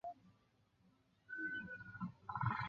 新疆紫罗兰为十字花科紫罗兰属下的一个种。